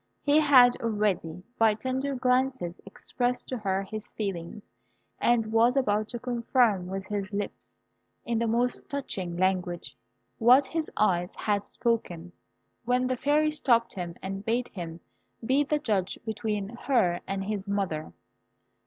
He had already, by tender glances, expressed to her his feelings, and was about to confirm with his lips, in the most touching language, what his eyes had spoken, when the Fairy stopped him, and bade him be the judge between her and his mother.